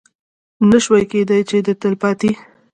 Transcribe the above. نه شوای کېدی چې د تلپاتې